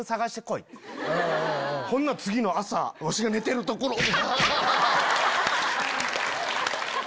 ほんなら次の朝ワシが寝てるところを。